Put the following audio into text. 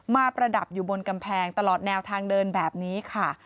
ประดับอยู่บนกำแพงตลอดแนวทางเดินแบบนี้ค่ะ